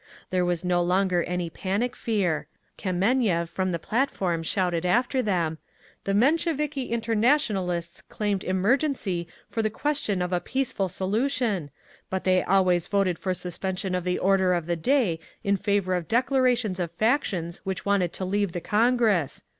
There was no longer any panic fear…. Kameniev from the platform shouted after them, "The Mensheviki Internationalists claimed 'emergency' for the question of a 'peaceful solution,' but they always voted for suspension of the order of the day in favour of declarations of factions which wanted to leave the Congress.